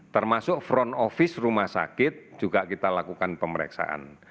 termasuk front office rumah sakit juga kita lakukan pemeriksaan